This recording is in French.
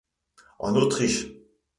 En Autriche.